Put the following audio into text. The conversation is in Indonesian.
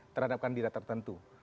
terhadap kandidat tertentu